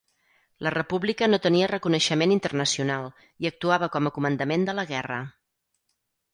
La República no tenia reconeixement internacional i actuava com a comandament de la guerra.